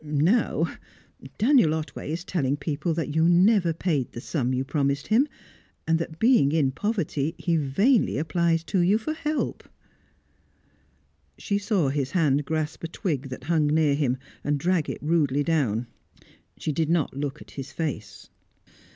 Now, Daniel Otway is telling people that you never paid the sum you promised him, and that, being in poverty, he vainly applies to you for help." She saw his hand grasp a twig that hung near him, and drag it rudely down; she did not look at his face.